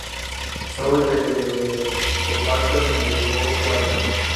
Soy de The X Factor y me llegó cuarto.